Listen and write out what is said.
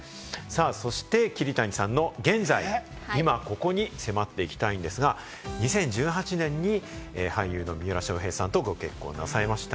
そして桐谷さんの現在、イマココに迫っていきたいんですが、２０１８年に俳優の三浦翔平さんとご結婚なさいました。